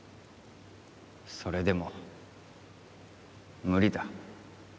それでも無理だ。